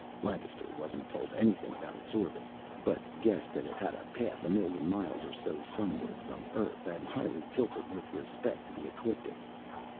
Lancaster wasn't told anything about its orbit, but guessed that it had a path a million miles or so sunward from Earth and highly tilted with respect to the ecliptic.